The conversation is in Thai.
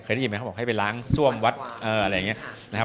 ได้ยินไหมเขาบอกให้ไปล้างซ่วมวัดอะไรอย่างนี้นะครับ